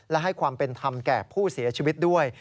และให้ความเป็นธรรมแก่ผู้เสียชีวิตด้วย